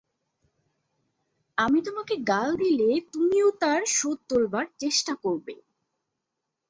আমি তোমাকে গাল দিলে তুমিও তার শোধ তোলবার চেষ্টা করবে।